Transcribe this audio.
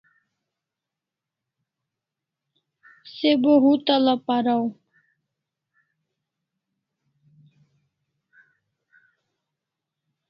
Se bo hutal'a paraw